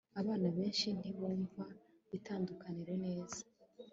abana benshi ntibumva itandukaniro neza